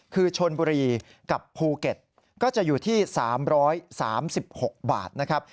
คือชนบุรีกับภูเก็ตก็จะอยู่ที่๓๓๖บาทนะครับ